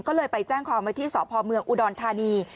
ก็เลยไปแจ้งความไว้ที่สพเมืองอุดรธานี